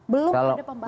belum ada pembahasan